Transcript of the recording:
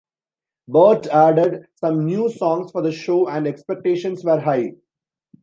Bart added some new songs for the show and expectations were high.